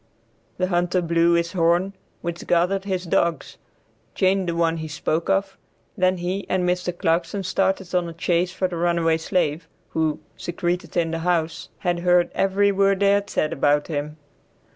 The hunter blew his horn which gathered his dogs, chained the one he spoke of, then he and Mr. Clarkson started on a chase for the runaway slave, who, secreted in the house, had heard every word they had said about him.